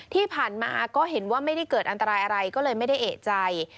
ที่ผ่านมาก็เห็นว่าไม่ได้เกิดอันตรายอะไรก็เลยไม่ได้เอกใจ